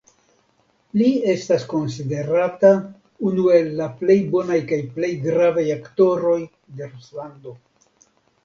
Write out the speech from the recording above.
Li estas konsiderata unu el la plej bonaj kaj plej gravaj aktoroj de Ruslando.